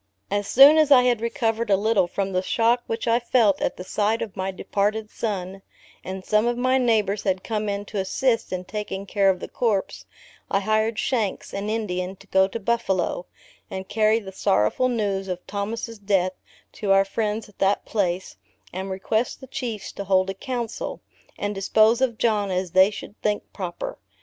As soon as I had recovered a little from the shock which I felt at the sight of my departed son, and some of my neighbors had come in to assist in taking care of the corpse, I hired Shanks, an Indian, to go to Buffalo, and carry the sorrowful news of Thomas' death, to our friends at that place, and request the Chiefs to hold a Council, and dispose of John as they should think proper.